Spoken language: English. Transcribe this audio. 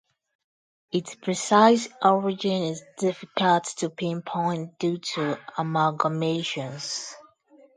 Its precise origin is difficult to pinpoint due to amalgamations.